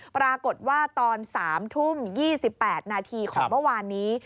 ปรากฏว่าตอน๓ทุ่ม๒๘นาทีของเมื่อวานนี้